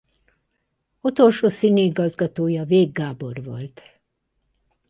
Utolsó színigazgatója Végh Gábor volt.